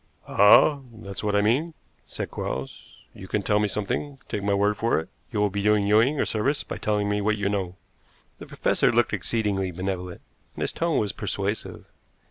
"Ah, that is what I mean," said Quarles. "You can tell me something. Take my word for it, you will be doing Ewing a service by telling me what you know." The professor looked exceedingly benevolent, and his tone was persuasive.